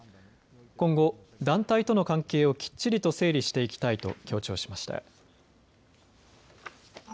今後、団体との関係をきっちりと整理していきたいと強調しました。